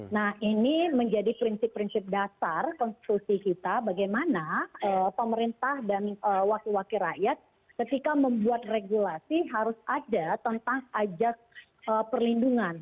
nah ini menjadi prinsip prinsip dasar konstitusi kita bagaimana pemerintah dan wakil wakil rakyat ketika membuat regulasi harus ada tentang ajak perlindungan